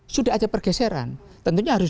sudah ada pergeseran tentunya harus